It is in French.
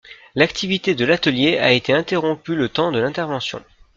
L'activité de l'atelier a été interrompue le temps de l'intervention.